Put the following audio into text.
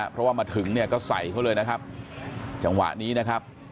เพราะว่ามาถึงเนี่ยก็ใส่เขาเลยนะครับจังหวะนี้นะครับ